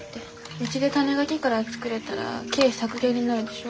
うちで種ガキから作れたら経費削減になるでしょ？